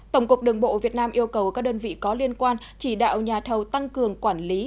tổng cục đường bộ việt nam yêu cầu các đơn vị có liên quan chỉ đạo nhà thầu tăng cường quản lý